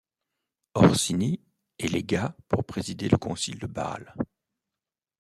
Orsini est légat pour présider le Concile de Bâle.